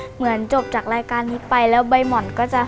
เหมือนจบจากรายการนี้ไปแล้วใบหม่อนก็จะ